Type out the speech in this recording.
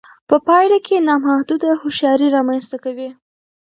په پایله کې نامحدوده هوښیاري رامنځته کوي